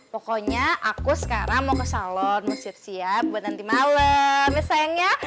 pokoknya aku sekarang mau ke salon mau siap siap buat nanti malem ya sayangnya